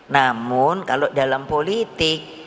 namun kalau dalam politik